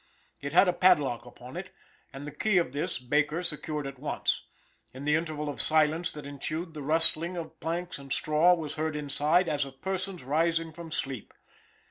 It had a padlock upon it, and the key of this Baker secured at once. In the interval of silence that ensued, the rustling of planks and straw was heard inside, as of persons rising from sleep.